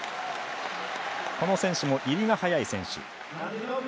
この選手も入りが速い選手。